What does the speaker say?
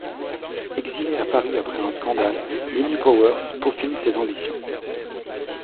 Exilée à Paris après un scandale, Lily Powers peaufine ses ambitions.